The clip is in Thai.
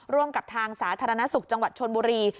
ร่วมกับทางสาธารณสุขจังหวัดชนบุรี